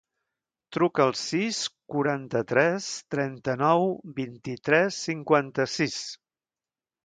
Truca al sis, quaranta-tres, trenta-nou, vint-i-tres, cinquanta-sis.